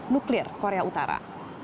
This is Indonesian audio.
nuklir korea utara